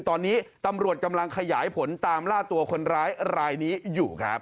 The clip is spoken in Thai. ตอนนี้ตำรวจกำลังขยายผลตามล่าตัวคนร้ายรายนี้อยู่ครับ